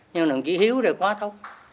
nhưng đồng chí hiếu thì có thôi